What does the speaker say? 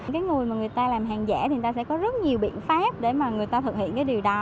cái người mà người ta làm hàng giả thì người ta sẽ có rất nhiều biện pháp để mà người ta thực hiện cái điều đó